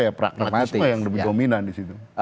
ya pragmatisme yang lebih dominan disitu